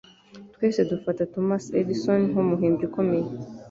Twese dufata Thomas Edison nkumuhimbyi ukomeye.